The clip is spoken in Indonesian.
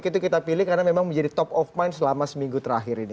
itu kita pilih karena memang menjadi top of mind selama seminggu terakhir ini